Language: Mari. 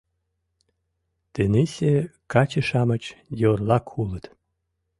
— Тенийсе каче-шамыч йорлак улыт.